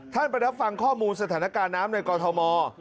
ท่านประดับฟังข้อมูลสถานการณ์น้ำในกอธมศ์